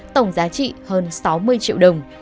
tổng giá trị hơn sáu mươi triệu đồng